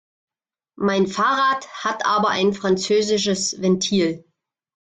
Mein Fahrrad hat aber ein französisches Ventil.